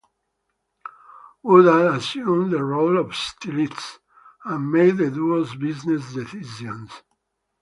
Woodall assumed the role of stylist and made the duo's business decisions.